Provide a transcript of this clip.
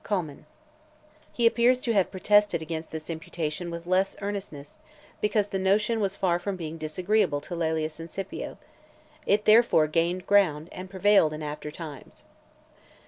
Colman. He appears to have protested against this imputation with less earnestness, because the notion was far from being disagreeable to Laelius and Scipio. It therefore gained ground, and prevailed in after times.